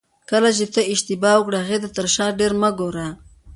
کله چې ته اشتباه وکړې هغې ته تر شا ډېر مه ګوره.